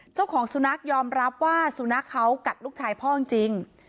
เจ้าของสุนัขยอมรับว่าสุนัขเขากัดลูกชายพ่อจริง